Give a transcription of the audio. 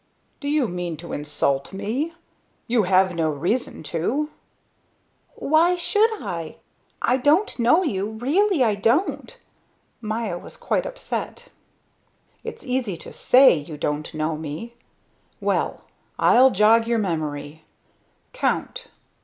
"Do you mean to insult me? You have no reason to." "But why should I? I don't know you, really I don't." Maya was quite upset. "It's easy to say you don't know me. Well, I'll jog your memory. Count."